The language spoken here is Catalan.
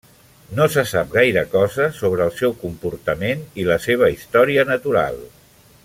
No se sap gaire cosa sobre el seu comportament i la seva història natural.